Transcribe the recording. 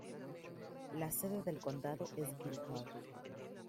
La sede del condado es Guildhall.